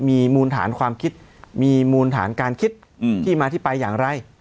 มีมูลฐานความคิดมีมูลฐานการคิดที่มาที่ไปอย่างไร